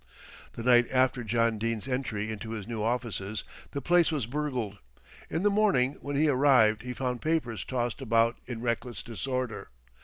The night after John Dene's entry into his new offices the place was burgled. In the morning when he arrived he found papers tossed about in reckless disorder.